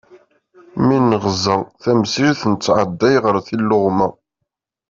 Mi negza tamsirt, nettɛedday ɣer yiluɣma.